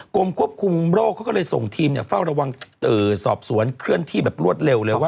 กรมควบคุมโรคเขาก็เลยส่งทีมเฝ้าระวังสอบสวนเคลื่อนที่แบบรวดเร็วเลยว่า